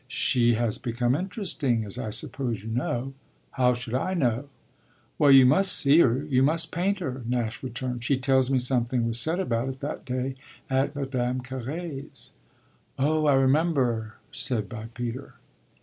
"She has become interesting, as I suppose you know." "How should I know?" "Well, you must see her, you must paint her," Nash returned. "She tells me something was said about it that day at Madame Carré's." "Oh I remember said by Peter."